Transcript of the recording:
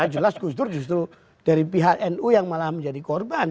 jelas justru dari pihak nu yang malah menjadi korban